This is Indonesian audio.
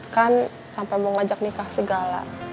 kan sampai mau ngajak nikah segala